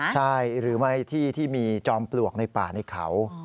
ใช่หรือไม่ที่ที่มีจอมปลวกในป่าในเขา